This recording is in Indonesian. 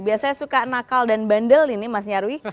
biasanya suka nakal dan bandel ini mas nyarwi